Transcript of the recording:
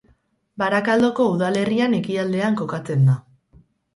Barakaldoko udalerrian ekialdean kokatzen da.